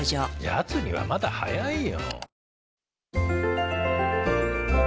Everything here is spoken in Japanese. やつにはまだ早いよ。